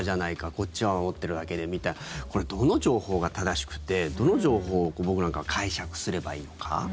こっちは守ってるだけでみたいなこれ、どの情報が正しくてどの情報を、僕なんかは解釈すればいいのか。